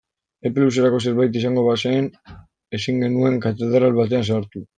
Epe luzerako zerbait izango bazen ezin genuen katedral batean sartu.